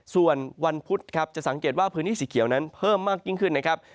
ส่วนวันพุธครับจะสังเกตว่าพื้นที่สีเขียวนั้นเพิ่มมากยิ่งขึ้นนะครับ